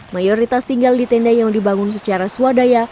mayoritas tinggal di tenda yang dibangun secara swadaya